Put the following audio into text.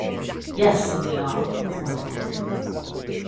"Yes," said they all, with one accord.